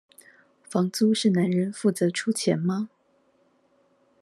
房租是男人負責出錢嗎？